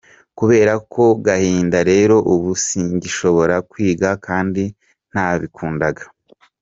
Kubera ako gahinda rero ubu singishobora kwiga kandi nabikundaga.